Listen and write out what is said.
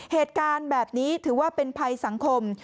เหตุการณ์แบบนี้ถือว่าเป็นภัยสังคม